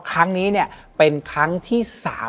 และวันนี้แขกรับเชิญที่จะมาเชิญที่เรา